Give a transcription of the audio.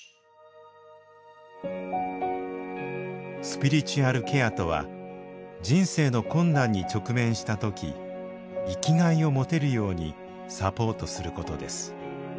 スピリチュアルケアとは人生の困難に直面した時生きがいを持てるようにサポートすることです。